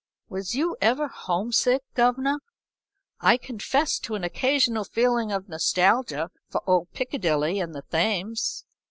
Was you ever homesick, governor?' "I confessed to an occasional feeling of nostalgia for old Picadilly and the Thames.